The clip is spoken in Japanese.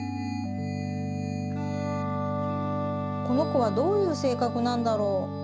このこはどういうせいかくなんだろう？